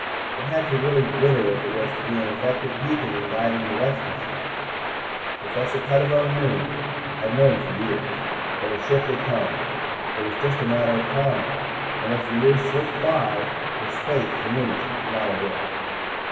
It had to really glitter if it was to be an effective beacon in guiding the rescue ship. Professor Pettibone knew had known for years that a ship would come. It was just a matter of time, and as the years slipped by, his faith diminished not a whit.